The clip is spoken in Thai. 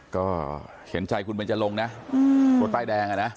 ก็เฉียนใจคุณบัญจัยลงนะตัวใต้แดงอะนะ